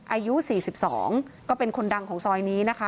อายุ๔๒ก็เป็นคนดังของซอยนี้นะคะ